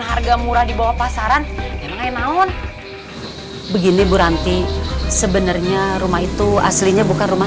harga murah dibawa pasaran memang begini bu ranti sebenarnya rumah itu aslinya bukan rumah